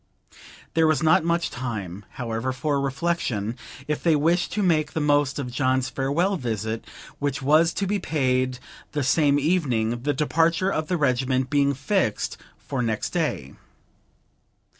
There was not much time, however, for reflection, if they wished to make the most of John's farewell visit, which was to be paid the same evening, the departure of the regiment being fixed for next day.